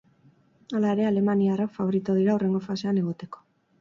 Hala ere, alemaniarrak faborito dira hurrengo fasean egoteko.